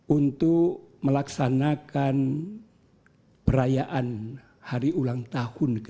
untuk melaksanakan perayaan hari ulang tahun ke tujuh puluh